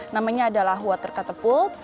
namanya adalah water catapult